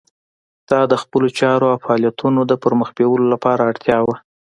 دا د خپلو چارو او فعالیتونو د پرمخ بیولو لپاره اړتیا وه.